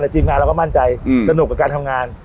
และทีมงานจะมั่นใจมีสนุกกับการทำงาน